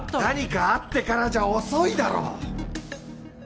何かあってからじゃ遅いだろ！